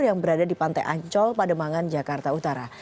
yang berada di pantai ancol pademangan jakarta utara